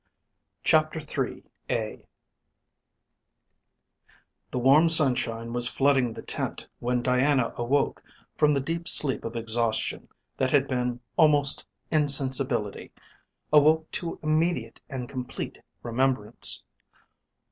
CHAPTER III The warm sunshine was flooding the tent when Diana awoke from the deep sleep of exhaustion that had been almost insensibility, awoke to immediate and complete remembrance.